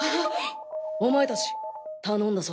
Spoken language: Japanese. お前たち頼んだぞ。